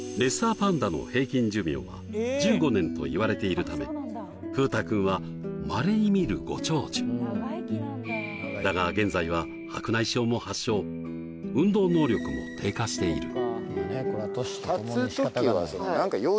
はいといわれているため風太君はまれに見るご長寿だが現在は白内障も発症運動能力も低下しているあ